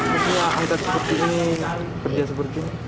bukan ada seperti ini kerja seperti ini